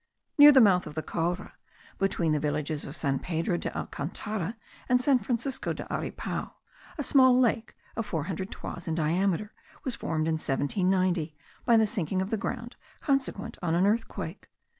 Near the mouth of the Caura, between the villages of San Pedro de Alcantara and San Francisco de Aripao, a small lake of four hundred toises in diameter was formed in 1790, by the sinking of the ground, consequent on an earthquake.